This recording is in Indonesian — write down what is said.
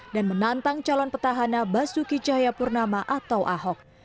dan menantang calon petahana basuki cahayapurnama atau ahok